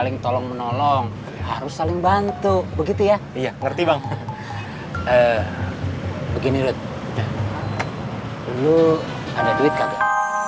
nah lo ada duit kagak